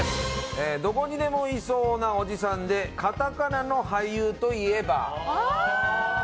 どこにでもいそうなおじさんでカタカナの俳優といえば？